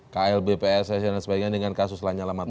klb pssi dan sebagainya dengan kasus pak nyala matang